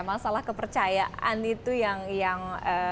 masalah kepercayaan itu yang